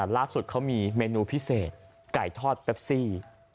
ล่าสุดเขามีเมนูพิเศษไก่ทอดแปปซี่